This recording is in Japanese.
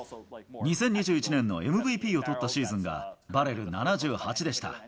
２０２１年のＭＶＰをとったシーズンがバレル７８でした。